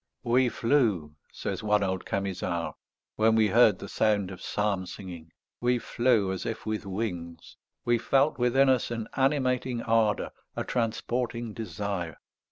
"We flew," says one old Camisard, "when we heard the sound of psalm singing, we flew as if with wings. We felt within us an animating ardour, a transporting desire.